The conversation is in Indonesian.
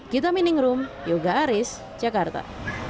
kita minning room yoga aris jakarta